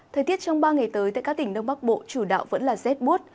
thời tiết trong ba ngày tới tại các tỉnh đông bắc bộ chủ đạo vẫn là rét bút